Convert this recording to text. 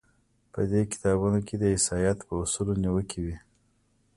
په دې کتابونو کې د عیسایت په اصولو نیوکې وې.